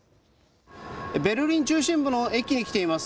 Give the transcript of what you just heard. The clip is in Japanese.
ベルリン中心部の駅に来ています。